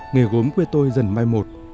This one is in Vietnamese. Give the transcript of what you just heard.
nghề gốm quê tôi dần mai một